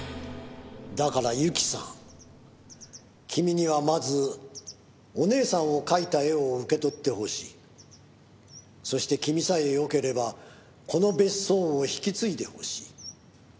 「だからゆきさん君にはまずお姉さんを描いた絵を受け取ってほしい」「そして君さえよければこの別荘を引き継いでほしい」